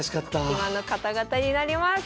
今の方々になります。